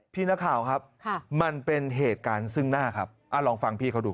พี่นักข่าวครับมันเป็นเหตุการณ์ซึ่งหน้าครับลองฟังพี่เขาดู